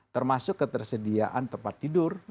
termasuk ketersediaan tempat tidur